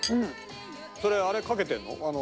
それあれかけてるの？